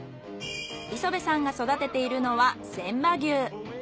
磯部さんが育てているのはせんば牛。